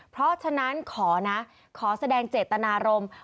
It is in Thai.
เพราะฉะนั้นขอนะขอแสดงเจตนารมณ์